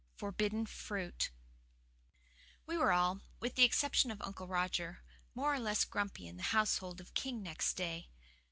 FORBIDDEN FRUIT We were all, with the exception of Uncle Roger, more or less grumpy in the household of King next day.